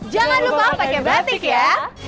jangan lupa pakai batik ya